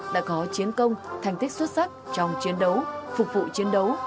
đã có chiến công thành tích xuất sắc trong chiến đấu phục vụ chiến đấu